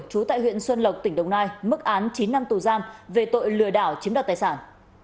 trú tại huyện xuân lộc tỉnh đồng nai mức án chín năm tù giam về tội lừa đảo chiếm đoạt tài sản